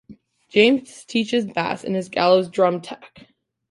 James teaches bass and is Gallows' drum tech.